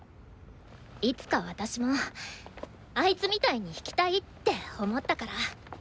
いつか私もあいつみたいに弾きたいって思ったから。